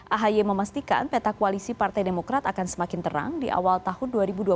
ahy memastikan peta koalisi partai demokrat akan semakin terang di awal tahun dua ribu dua puluh